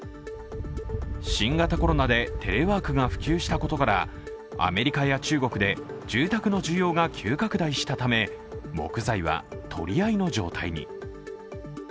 新型コロナでテレワークが普及したことからアメリカや中国で住宅の需要が急拡大したため木材は取り合いの状態に。